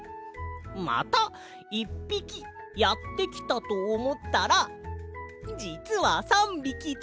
また１ぴきやってきたとおもったらじつは３びきで」。